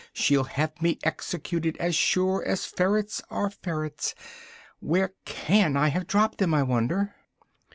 She'll have me executed, as sure as ferrets are ferrets! Where can I have dropped them, I wonder?"